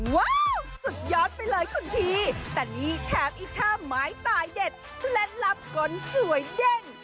ว้าวสุดยอดไปเลยคุณพี่แต่นี่แถมอีกท่าไม้ตายเด็ดเคล็ดลับก็สวยเด้ง